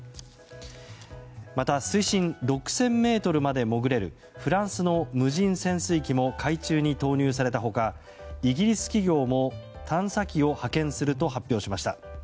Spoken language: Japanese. また、水深６０００ｍまで潜れるフランスの無人潜水機も海中に投入された他イギリス企業も探査機を派遣すると発表しました。